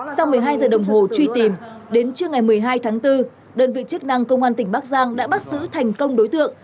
sau một mươi hai giờ đồng hồ truy tìm đến trưa ngày một mươi hai tháng bốn đơn vị chức năng công an tỉnh bắc giang đã bắt giữ thành công đối tượng